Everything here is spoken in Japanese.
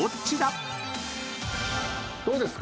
どうですか？